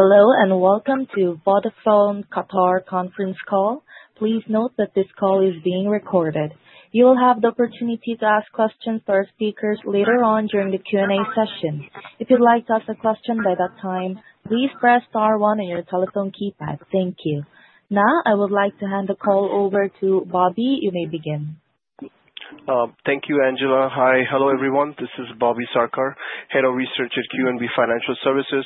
Hello and welcome to Vodafone Qatar Conference Call. Please note that this call is being recorded. You will have the opportunity to ask questions to our speakers later on during the Q&A session. If you'd like to ask a question by that time, please press star one on your telephone keypad. Thank you. Now, I would like to hand the call over to Bobby. You may begin. Thank you, Angela. Hi, hello everyone. This is Bobby Sarkar, Head of Research at QNB Financial Services.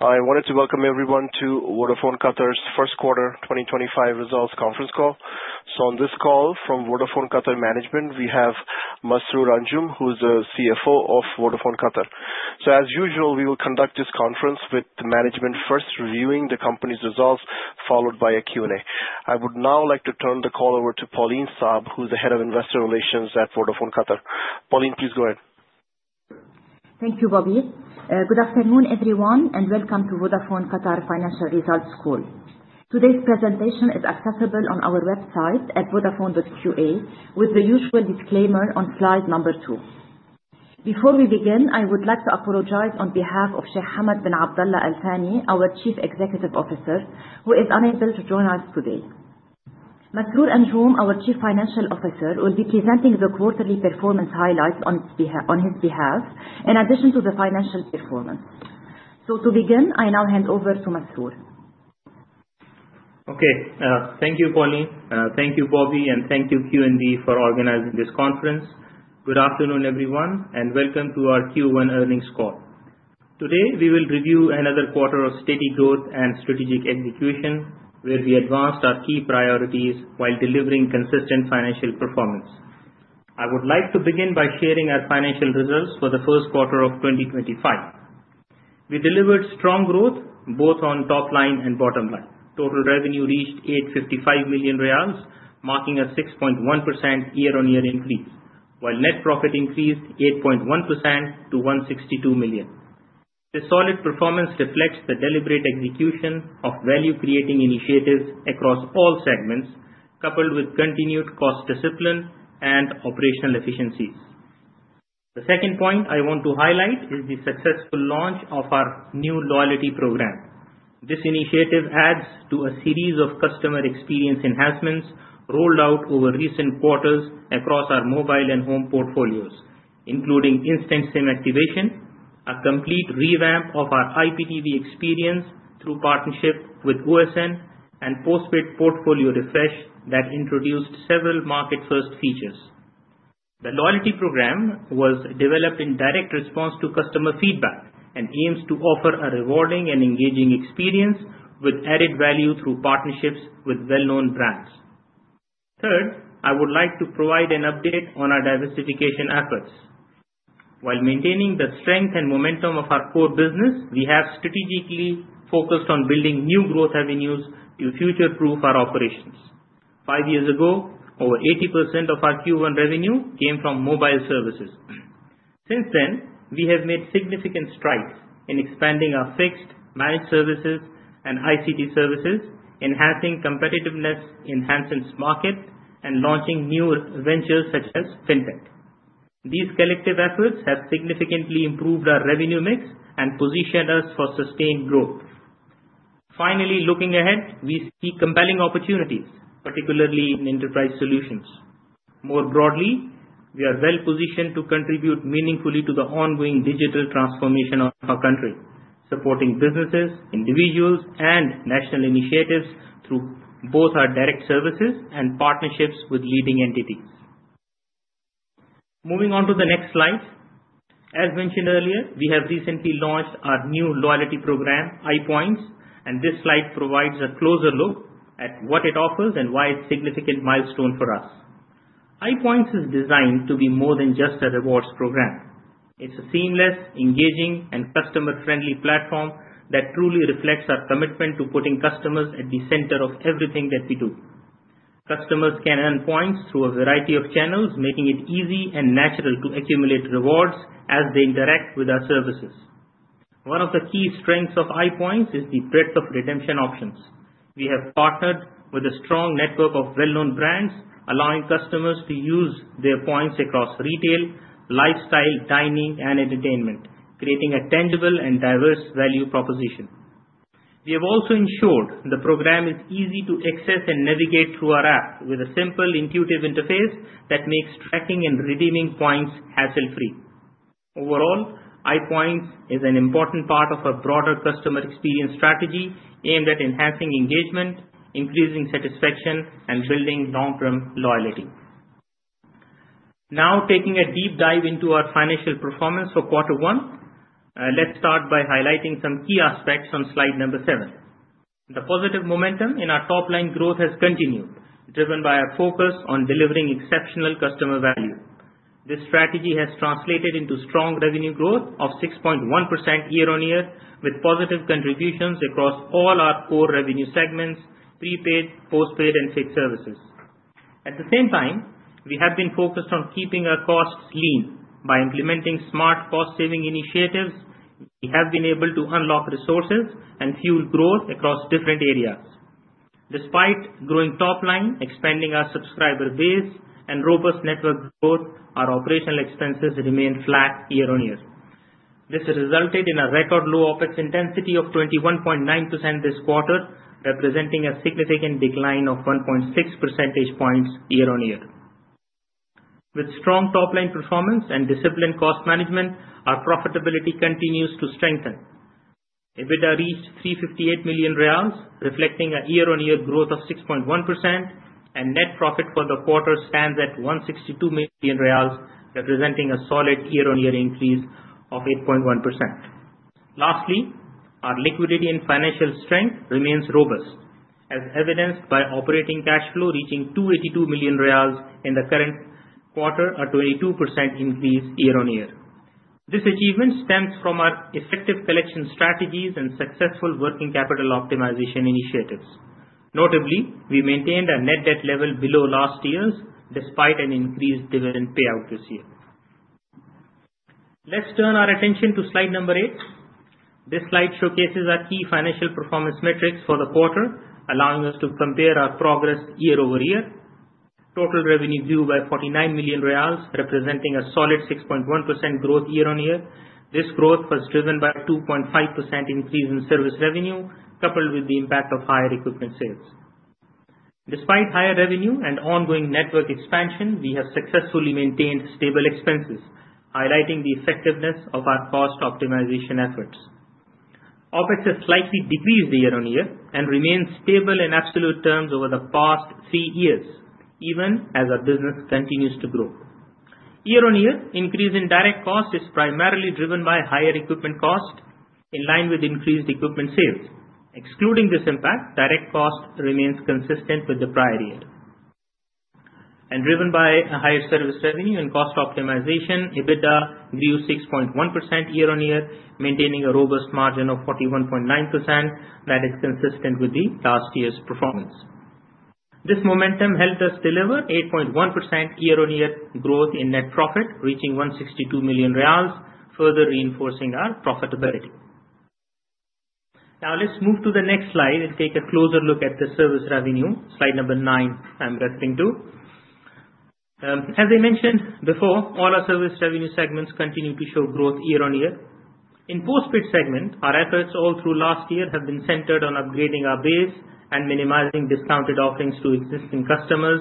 I wanted to welcome everyone to Vodafone Qatar's first quarter 2025 results conference call. On this call from Vodafone Qatar Management, we have Masroor Anjum, who's the CFO of Vodafone Qatar. As usual, we will conduct this conference with the management first, reviewing the company's results, followed by a Q&A. I would now like to turn the call over to Pauline Saab, who's the Head of Investor Relations at Vodafone Qatar. Pauline, please go ahead. Thank you, Bobby. Good afternoon, everyone, and welcome to Vodafone Qatar Financial Results Call. Today's presentation is accessible on our website at vodafone.qa, with the usual disclaimer on slide number two. Before we begin, I would like to apologize on behalf of Sheikh Hamad bin Abdullah Al-Thani, our Chief Executive Officer, who is unable to join us today. Masroor Anjum, our Chief Financial Officer, will be presenting the quarterly performance highlights on his behalf, in addition to the financial performance. To begin, I now hand over to Masroor. Okay, thank you, Pauline. Thank you, Bobby, and thank you, QNB, for organizing this conference. Good afternoon, everyone, and welcome to our Q1 earnings call. Today, we will review another quarter of steady growth and strategic execution, where we advanced our key priorities while delivering consistent financial performance. I would like to begin by sharing our financial results for the first quarter of 2025. We delivered strong growth, both on top line and bottom line. Total revenue reached 855 million riyals, marking a 6.1% year-on-year increase, while net profit increased 8.1% to 162 million. This solid performance reflects the deliberate execution of value-creating initiatives across all segments, coupled with continued cost discipline and operational efficiencies. The second point I want to highlight is the successful launch of our new loyalty program. This initiative adds to a series of customer experience enhancements rolled out over recent quarters across our mobile and home portfolios, including instant SIM activation, a complete revamp of our IPTV experience through partnership with OSN, and Postpaid portfolio refresh that introduced several market-first features. The loyalty program was developed in direct response to customer feedback and aims to offer a rewarding and engaging experience with added value through partnerships with well-known brands. Third, I would like to provide an update on our diversification efforts. While maintaining the strength and momentum of our core business, we have strategically focused on building new growth avenues to future-proof our operations. Five years ago, over 80% of our Q1 revenue came from mobile services. Since then, we have made significant strides in expanding our fixed, managed services and ICT services, enhancing competitiveness in Qatar's market, and launching new ventures such as fintech. These collective efforts have significantly improved our revenue mix and positioned us for sustained growth. Finally, looking ahead, we see compelling opportunities, particularly in enterprise solutions. More broadly, we are well positioned to contribute meaningfully to the ongoing digital transformation of our country, supporting businesses, individuals, and national initiatives through both our direct services and partnerships with leading entities. Moving on to the next slide. As mentioned earlier, we have recently launched our new loyalty program, iPoints, and this slide provides a closer look at what it offers and why it's a significant milestone for us. iPoints is designed to be more than just a rewards program. It's a seamless, engaging, and customer-friendly platform that truly reflects our commitment to putting customers at the center of everything that we do. Customers can earn points through a variety of channels, making it easy and natural to accumulate rewards as they interact with our services. One of the key strengths of iPoints is the breadth of redemption options. We have partnered with a strong network of well-known brands, allowing customers to use their points across retail, lifestyle, dining, and entertainment, creating a tangible and diverse value proposition. We have also ensured the program is easy to access and navigate through our app, with a simple, intuitive interface that makes tracking and redeeming points hassle-free. Overall, iPoints is an important part of our broader customer experience strategy aimed at enhancing engagement, increasing satisfaction, and building long-term loyalty. Now, taking a deep dive into our financial performance for quarter one, let's start by highlighting some key aspects on slide number seven. The positive momentum in our top-line growth has continued, driven by our focus on delivering exceptional customer value. This strategy has translated into strong revenue growth of 6.1% year-on-year, with positive contributions across all our core revenue segments: prepaid, postpaid, and fixed services. At the same time, we have been focused on keeping our costs lean. By implementing smart cost-saving initiatives, we have been able to unlock resources and fuel growth across different areas. Despite growing top-line, expanding our subscriber base, and robust network growth, our operational expenses remain flat year-on-year. This resulted in a record low OpEx intensity of 21.9% this quarter, representing a significant decline of 1.6 percentage points year-on-year. With strong top-line performance and disciplined cost management, our profitability continues to strengthen. EBITDA reached 358 million riyals, reflecting a year-on-year growth of 6.1%, and net profit for the quarter stands at 162 million riyals, representing a solid year-on-year increase of 8.1%. Lastly, our liquidity and financial strength remains robust, as evidenced by operating cash flow reaching 282 million riyals in the current quarter, a 22% increase year-on-year. This achievement stems from our effective collection strategies and successful working capital optimization initiatives. Notably, we maintained a net debt level below last year's, despite an increased dividend payout this year. Let's turn our attention to slide number eight. This slide showcases our key financial performance metrics for the quarter, allowing us to compare our progress year-over-year. Total revenue grew by 49 million riyals, representing a solid 6.1% growth year-on-year. This growth was driven by a 2.5% increase in service revenue, coupled with the impact of higher equipment sales. Despite higher revenue and ongoing network expansion, we have successfully maintained stable expenses, highlighting the effectiveness of our cost optimization efforts. OpEx has slightly decreased year-on-year and remained stable in absolute terms over the past three years, even as our business continues to grow. Year-on-year, increase in direct cost is primarily driven by higher equipment cost, in line with increased equipment sales. Excluding this impact, direct cost remains consistent with the prior year. Driven by higher service revenue and cost optimization, EBITDA grew 6.1% year-on-year, maintaining a robust margin of 41.9% that is consistent with last year's performance. This momentum helped us deliver 8.1% year-on-year growth in net profit, reaching 162 million riyals, further reinforcing our profitability. Now, let's move to the next slide and take a closer look at the service revenue, slide number nine I'm referring to. As I mentioned before, all our service revenue segments continue to show growth year-on-year. In postpaid segment, our efforts all through last year have been centered on upgrading our base and minimizing discounted offerings to existing customers.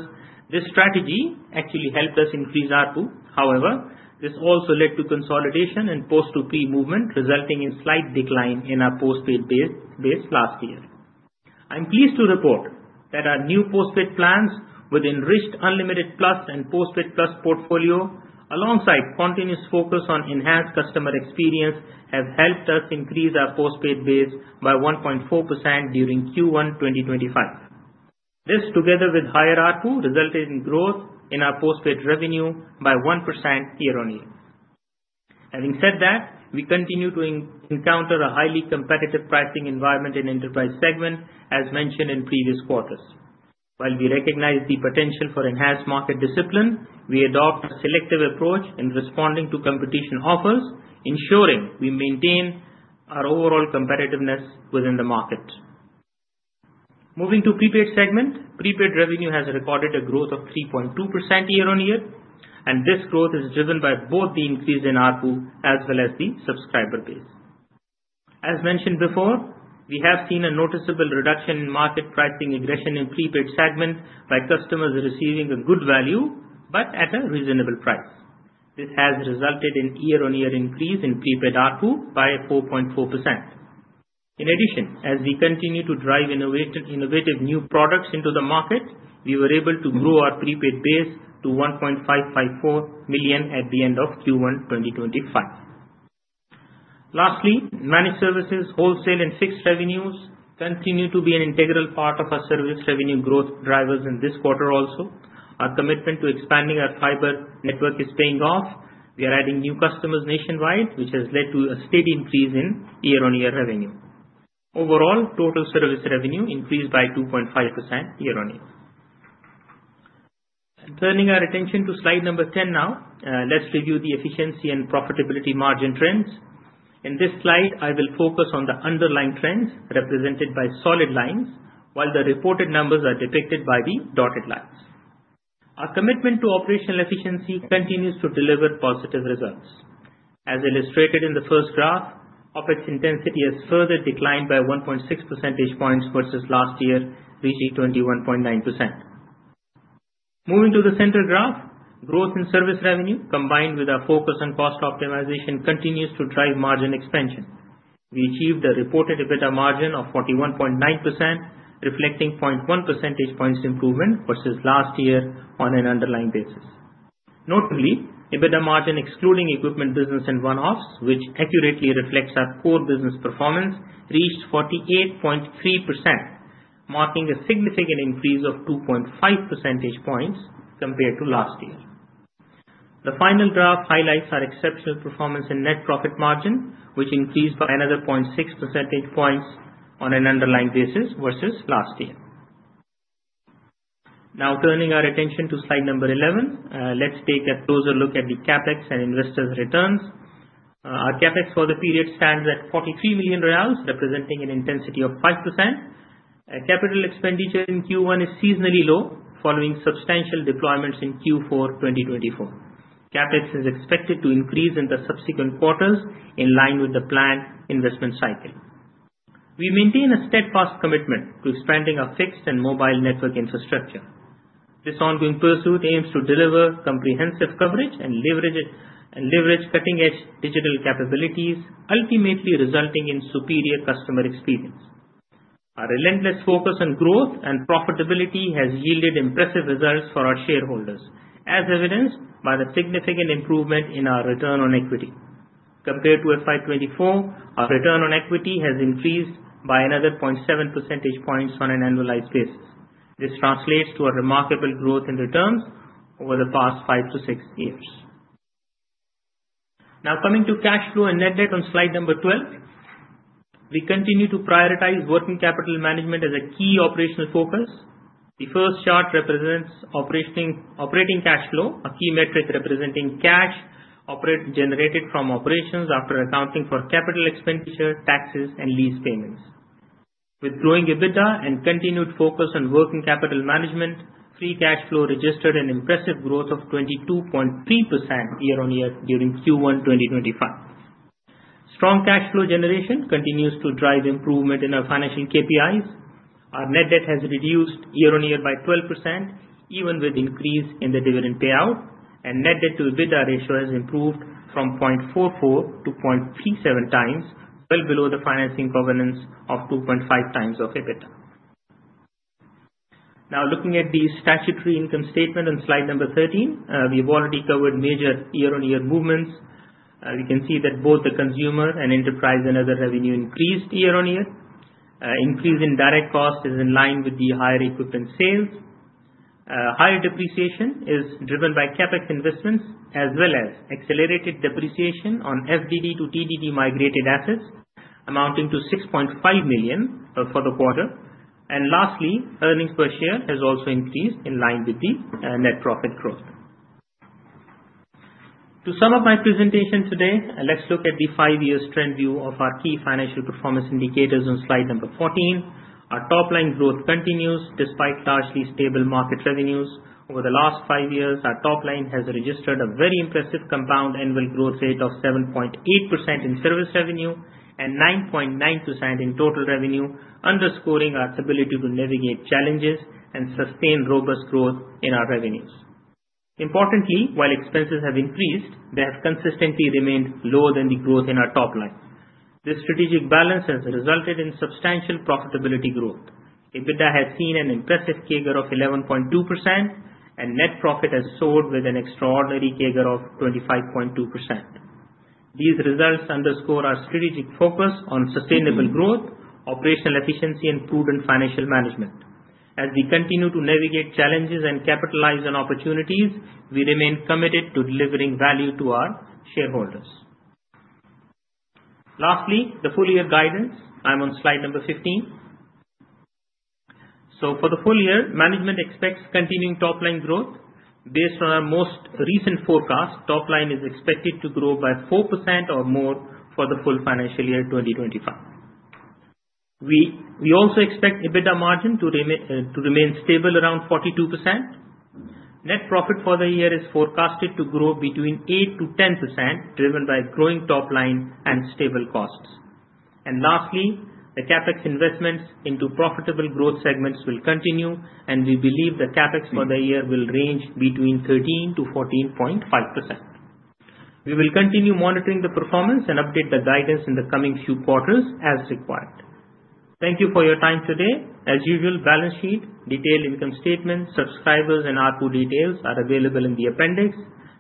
This strategy actually helped us increase our pool. However, this also led to consolidation and post-to-pre movement, resulting in slight decline in our postpaid base last year. I'm pleased to report that our new postpaid plans with enriched Unlimited Plus and Postpaid Plus portfolio, alongside continuous focus on enhanced customer experience, have helped us increase our postpaid base by 1.4% during Q1 2025. This, together with higher ARPU, resulted in growth in our postpaid revenue by 1% year-on-year. Having said that, we continue to encounter a highly competitive pricing environment in enterprise segment, as mentioned in previous quarters. While we recognize the potential for enhanced market discipline, we adopt a selective approach in responding to competition offers, ensuring we maintain our overall competitiveness within the market. Moving to prepaid segment, prepaid revenue has recorded a growth of 3.2% year-on-year, and this growth is driven by both the increase in ARPU as well as the subscriber base. As mentioned before, we have seen a noticeable reduction in market pricing aggression in prepaid segment by customers receiving a good value, but at a reasonable price. This has resulted in year-on-year increase in prepaid ARPU by 4.4%. In addition, as we continue to drive innovative new products into the market, we were able to grow our prepaid base to 1.554 million at the end of Q1 2025. Lastly, managed services, wholesale, and fixed revenues continue to be an integral part of our service revenue growth drivers in this quarter also. Our commitment to expanding our fiber network is paying off. We are adding new customers nationwide, which has led to a steady increase in year-on-year revenue. Overall, total service revenue increased by 2.5% year-on-year. Turning our attention to slide number 10 now, let's review the efficiency and profitability margin trends. In this slide, I will focus on the underlying trends represented by solid lines, while the reported numbers are depicted by the dotted lines. Our commitment to operational efficiency continues to deliver positive results. As illustrated in the first graph, OpEx intensity has further declined by 1.6 percentage points versus last year, reaching 21.9%. Moving to the central graph, growth in service revenue, combined with our focus on cost optimization, continues to drive margin expansion. We achieved a reported EBITDA margin of 41.9%, reflecting 0.1 percentage points improvement versus last year on an underlying basis. Notably, EBITDA margin excluding equipment business and one-offs, which accurately reflects our core business performance, reached 48.3%, marking a significant increase of 2.5 percentage points compared to last year. The final graph highlights our exceptional performance in net profit margin, which increased by another 0.6 percentage points on an underlying basis versus last year. Now, turning our attention to slide number 11, let's take a closer look at the CapEx and investors' returns. Our CapEx for the period stands at 43 million riyals, representing an intensity of 5%. Capital expenditure in Q1 is seasonally low, following substantial deployments in Q4 2024. CapEx is expected to increase in the subsequent quarters, in line with the planned investment cycle. We maintain a steadfast commitment to expanding our fixed and mobile network infrastructure. This ongoing pursuit aims to deliver comprehensive coverage and leverage cutting-edge digital capabilities, ultimately resulting in superior customer experience. Our relentless focus on growth and profitability has yielded impressive results for our shareholders, as evidenced by the significant improvement in our return on equity. Compared to FY 2024, our return on equity has increased by another 0.7 percentage points on an annualized basis. This translates to a remarkable growth in returns over the past five to six years. Now, coming to cash flow and net debt on slide number 12, we continue to prioritize working capital management as a key operational focus. The first chart represents operating cash flow, a key metric representing cash generated from operations after accounting for capital expenditure, taxes, and lease payments. With growing EBITDA and continued focus on working capital management, free cash flow registered an impressive growth of 22.3% year-on-year during Q1 2025. Strong cash flow generation continues to drive improvement in our financial KPIs. Our net debt has reduced year-on-year by 12%, even with increase in the dividend payout, and net debt-to-EBITDA ratio has improved from 0.44 to 0.37 times, well below the financing covenants of 2.5 times of EBITDA. Now, looking at the statutory income statement on slide number 13, we've already covered major year-on-year movements. We can see that both the consumer and enterprise and other revenue increased year-on-year. Increase in direct cost is in line with the higher equipment sales. Higher depreciation is driven by CapEx investments, as well as accelerated depreciation on FDD-to-TDD migrated assets, amounting to 6.5 million for the quarter. Lastly, earnings per share has also increased in line with the net profit growth. To sum up my presentation today, let's look at the five-year trend view of our key financial performance indicators on slide number 14. Our top-line growth continues despite largely stable market revenues. Over the last five years, our top-line has registered a very impressive compound annual growth rate of 7.8% in service revenue and 9.9% in total revenue, underscoring our ability to navigate challenges and sustain robust growth in our revenues. Importantly, while expenses have increased, they have consistently remained lower than the growth in our top-line. This strategic balance has resulted in substantial profitability growth. EBITDA has seen an impressive CAGR of 11.2%, and net profit has soared with an extraordinary CAGR of 25.2%. These results underscore our strategic focus on sustainable growth, operational efficiency, and prudent financial management. As we continue to navigate challenges and capitalize on opportunities, we remain committed to delivering value to our shareholders. Lastly, the full-year guidance. I'm on slide number 15. For the full year, management expects continuing top-line growth. Based on our most recent forecast, top-line is expected to grow by 4% or more for the full financial year 2025. We also expect EBITDA margin to remain stable around 42%. Net profit for the year is forecasted to grow between 8% and 10%, driven by growing top-line and stable costs. Lastly, the CapEx investments into profitable growth segments will continue, and we believe the CapEx for the year will range between 13% and 14.5%. We will continue monitoring the performance and update the guidance in the coming few quarters as required. Thank you for your time today. As usual, balance sheet, detailed income statement, subscribers, and ARPU details are available in the appendix.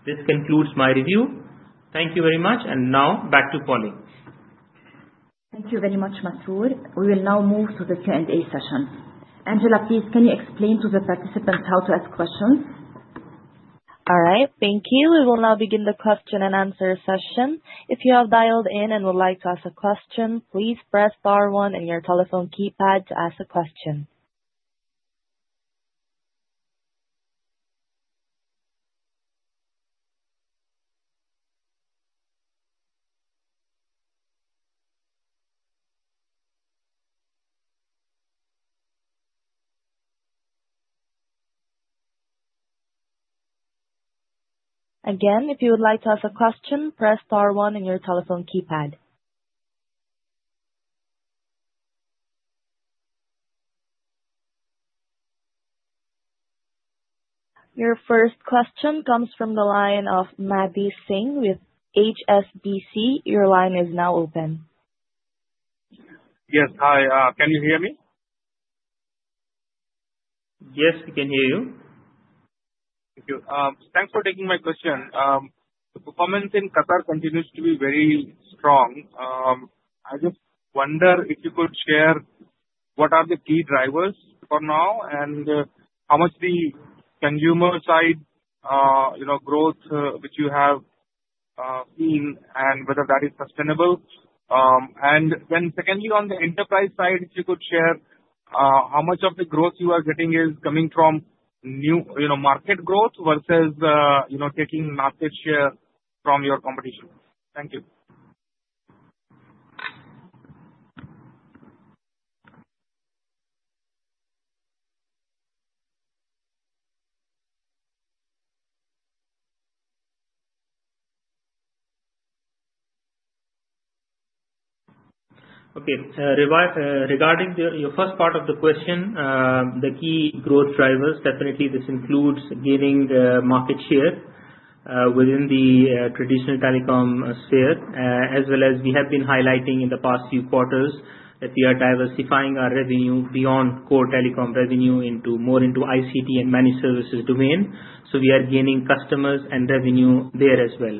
This concludes my review. Thank you very much, and now back to Pauline. Thank you very much, Masroor. We will now move to the Q&A session. Angela, please, can you explain to the participants how to ask questions? All right. Thank you. We will now begin the question and answer session. If you have dialed in and would like to ask a question, please press star one on your telephone keypad to ask a question. Again, if you would like to ask a question, press star one on your telephone keypad. Your first question comes from the line of Mandeep Singh with HSBC. Your line is now open. Yes. Hi. Can you hear me? Yes, we can hear you. Thank you. Thanks for taking my question. The performance in Qatar continues to be very strong. I just wonder if you could share what are the key drivers for now and how much the consumer-side growth which you have seen and whether that is sustainable. Secondly, on the enterprise side, if you could share how much of the growth you are getting is coming from market growth versus taking market share from your competition. Thank you. Okay. Regarding your first part of the question, the key growth drivers, definitely this includes gaining market share within the traditional telecom sphere, as well as we have been highlighting in the past few quarters that we are diversifying our revenue beyond core telecom revenue more into ICT and managed services domain. We are gaining customers and revenue there as well.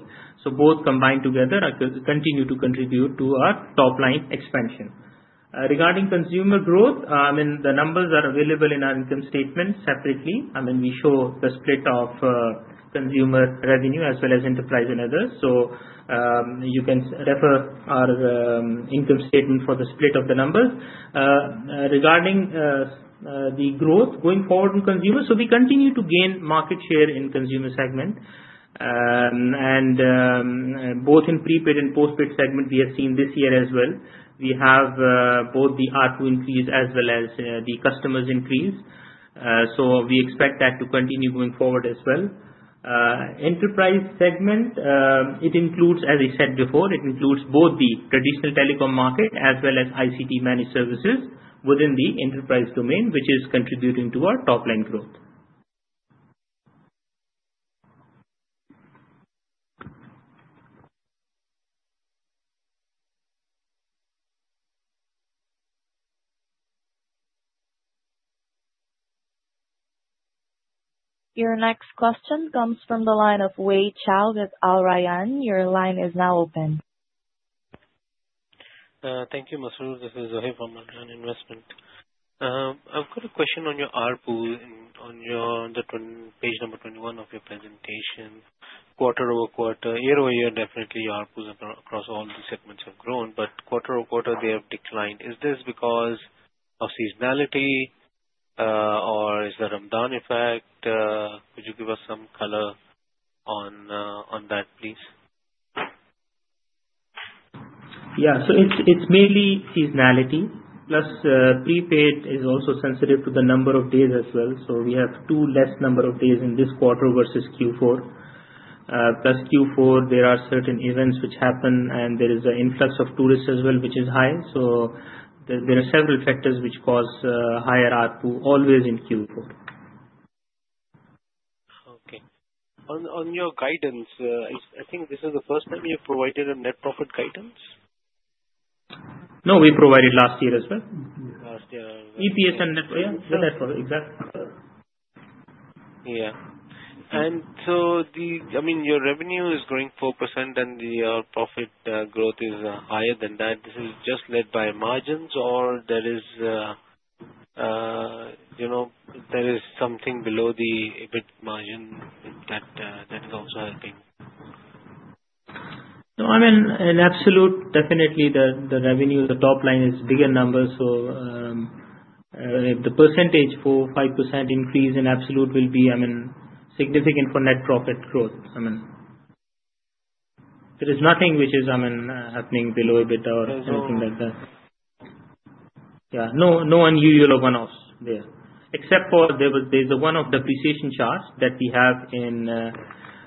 Both combined together continue to contribute to our top-line expansion. Regarding consumer growth, I mean, the numbers are available in our income statement separately. I mean, we show the split of consumer revenue as well as enterprise and others. You can refer to our income statement for the split of the numbers. Regarding the growth going forward in consumers, we continue to gain market share in the consumer segment. Both in prepaid and postpaid segment, we have seen this year as well. We have both the ARPU increase as well as the customers' increase. We expect that to continue going forward as well. Enterprise segment, as I said before, includes both the traditional telecom market as well as ICT managed services within the enterprise domain, which is contributing to our top-line growth. Your next question comes from the line of Wei Chao with Al Rayan. Your line is now open. Thank you, Masroor. This is Zohaib from Al Rayan Investment. I've got a question on your ARPU on the page number 21 of your presentation. Quarter over quarter, year over year, definitely ARPUs across all the segments have grown, but quarter over quarter, they have declined. Is this because of seasonality, or is there a Ramadan effect? Could you give us some color on that, please? Yeah. It is mainly seasonality, plus prepaid is also sensitive to the number of days as well. We have two less number of days in this quarter versus Q4. Q4, there are certain events which happen, and there is an influx of tourists as well, which is high. There are several factors which cause higher ARPU always in Q4. Okay. On your guidance, I think this is the first time you've provided a net profit guidance? No, we provided last year as well. Last year. EPS and net profit. Yeah. Net profit. Exactly. Yeah. I mean, your revenue is growing 4%, and your profit growth is higher than that. This is just led by margins, or there is something below the EBIT margin that is also helping? No. I mean, in absolute, definitely the revenue, the top-line is bigger numbers. So the percentage for 5% increase in absolute will be, I mean, significant for net profit growth. I mean, there is nothing which is, I mean, happening below EBITDA or anything like that. Yeah. No unusual one-offs there, except for there's one of the depreciation charts that we have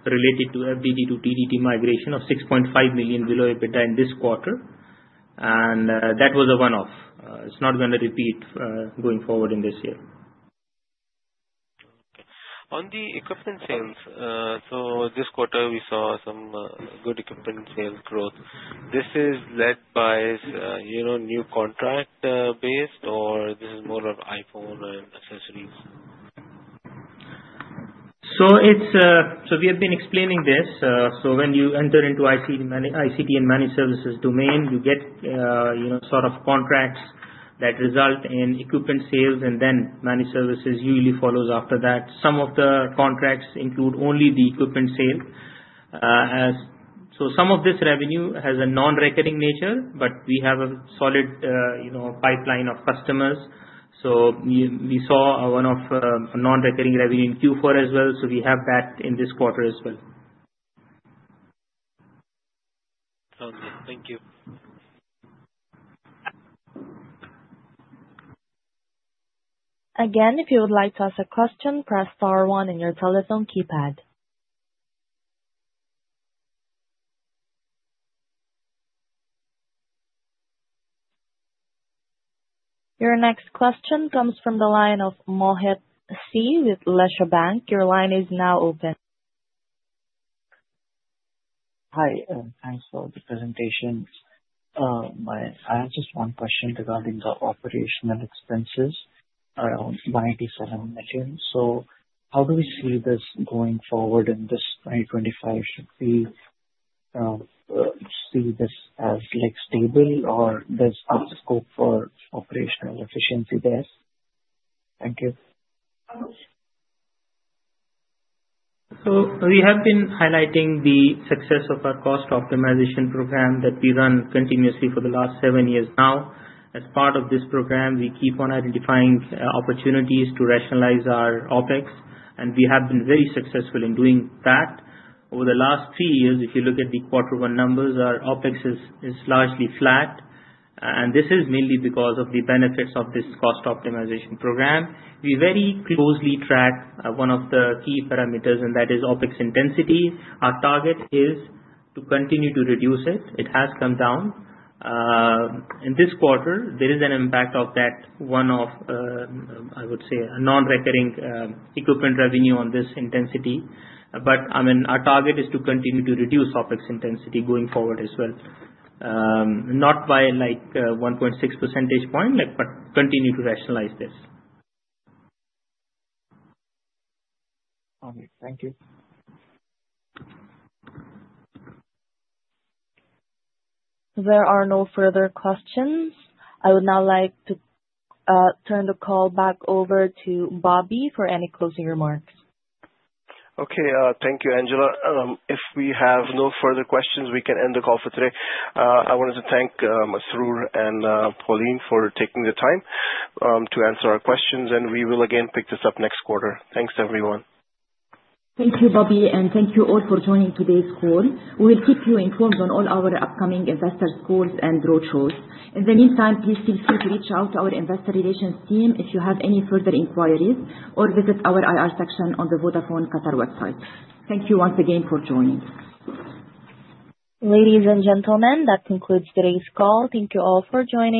related to FDD-to-TDD migration of 6.5 million below EBITDA in this quarter. And that was a one-off. It's not going to repeat going forward in this year. Okay. On the equipment sales, this quarter, we saw some good equipment sales growth. This is led by new contract-based, or this is more of iPhone and accessories? We have been explaining this. When you enter into ICT and managed services domain, you get sort of contracts that result in equipment sales, and then managed services usually follows after that. Some of the contracts include only the equipment sale. Some of this revenue has a non-recurring nature, but we have a solid pipeline of customers. We saw one-off non-recurring revenue in Q4 as well. We have that in this quarter as well. Thank you. Again, if you would like to ask a question, press star one on your telephone keypad. Your next question comes from the line of Mohit Choudhary with Lesha Bank. Your line is now open. Hi. Thanks for the presentation. I have just one question regarding the operational expenses around 187 million. How do we see this going forward in 2025? Should we see this as stable, or does there be scope for operational efficiency there? Thank you. We have been highlighting the success of our cost optimization program that we run continuously for the last seven years now. As part of this program, we keep on identifying opportunities to rationalize our OpEx, and we have been very successful in doing that. Over the last three years, if you look at the quarter-one numbers, our OpEx is largely flat. This is mainly because of the benefits of this cost optimization program. We very closely track one of the key parameters, and that is OpEx intensity. Our target is to continue to reduce it. It has come down. In this quarter, there is an impact of that one of, I would say, non-recurring equipment revenue on this intensity. I mean, our target is to continue to reduce OpEx intensity going forward as well. Not by 1.6 percentage points, but continue to rationalize this. All right. Thank you. There are no further questions. I would now like to turn the call back over to Bobby for any closing remarks. Okay. Thank you, Angela. If we have no further questions, we can end the call for today. I wanted to thank Masroor and Pauline for taking the time to answer our questions, and we will again pick this up next quarter. Thanks, everyone. Thank you, Bobby, and thank you all for joining today's call. We will keep you informed on all our upcoming investor calls and roadshows. In the meantime, please feel free to reach out to our investor relations team if you have any further inquiries or visit our IR section on the Vodafone Qatar website. Thank you once again for joining. Ladies and gentlemen, that concludes today's call. Thank you all for joining.